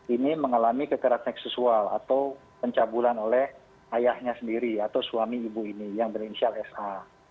ini mengalami kekerasan seksual atau pencabulan oleh ayahnya sendiri atau suami ibu ini yang berinisial sa